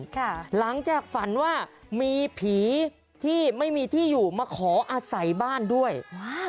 ค่ะหลังจากฝันว่ามีผีที่ไม่มีที่อยู่มาขออาศัยบ้านด้วยว้า